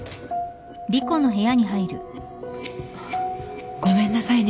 あっごめんなさいね